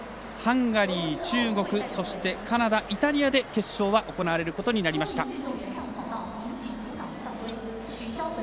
ハンガリー、中国そして、カナダ、イタリアで決勝は行われることになりました。